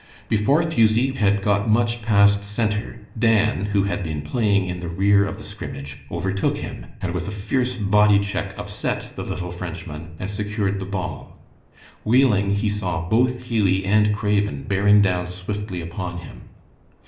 Before Fusie had got much past center, Dan, who had been playing in the rear of the scrimmage, overtook him, and with a fierce body check upset the little Frenchman and secured the ball. Wheeling, he saw both Hughie and Craven bearing down swiftly upon him.